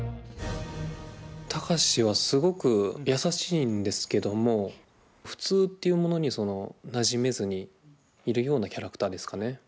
貴司はすごく優しいんですけども普通っていうものになじめずにいるようなキャラクターですかね。